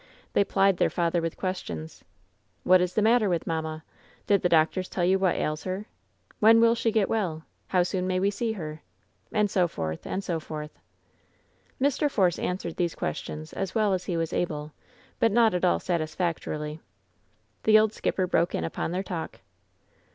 They plied their father with questions: "What is the matter with mamma?" "Did the doctors tell you what ails her?'^ "When will she get well ?" "How soon may we see her?'' WHEN SHADOWS DIE 11« And so forth, and so forth. Mr. Force answered these questions as well as he was able, but not at all satisfactorily. The old skipper broke in upon their talk.